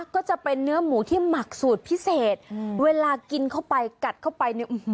ก็จะเป็นเนื้อหมูที่หมักสูตรพิเศษเวลากินเข้าไปกัดเข้าไปเนี่ย